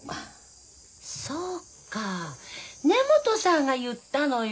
そっか根本さんが言ったのよ。